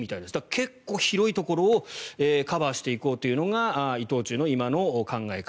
結構広いところをカバーしていこうというのが伊藤忠の今の考え方。